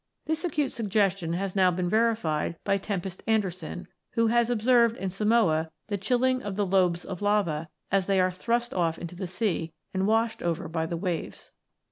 This acute suggestion has now been verified by Tempest Anderson (66), who has observed in Samoa the chilling of the lobes of lava, as they are thrust off into the sea and washed over by the waves.